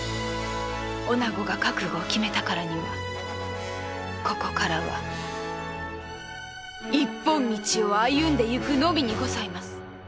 女子が覚悟を決めたからにはここからは一本道を歩んでいくのみにございます。